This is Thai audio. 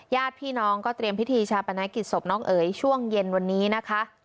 ญาติพี่น้องก็เตรียมพิธีชาปนกิจศพน้องเอ๋ยช่วงเย็นวันนี้นะคะ